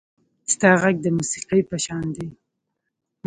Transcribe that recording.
• ستا غږ د موسیقۍ په شان دی.